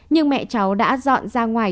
nhưng mẹ cháu đã dọn ra ngoài